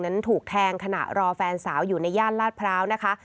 นั้นถูกแทงขณะรอแฟนสาวอยู่ในย่านลาดพร้าวนะคะ